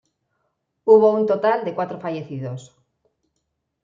Hubo un total de cuatro fallecidos.